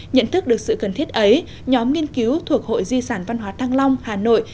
nhận thức được sự cần thiết ấy nhóm nghiên cứu thuộc hội di sản văn hóa thăng long hà nội